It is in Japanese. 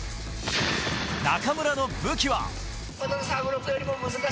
中村の武器は。